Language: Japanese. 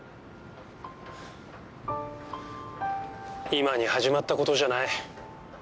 今に始まったことじゃない。